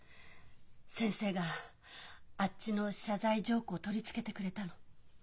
先生があっちの謝罪条項を取り付けてくれたの。